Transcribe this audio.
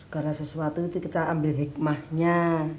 karena sesuatu itu kita ambil hikmahnya